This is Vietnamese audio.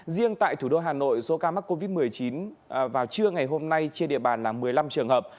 riêng tại thủ đô hà nội số ca mắc covid một mươi chín vào trưa ngày hôm nay trên địa bàn là một mươi năm trường hợp